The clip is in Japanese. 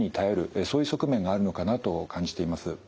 そういう側面があるのかなと感じています。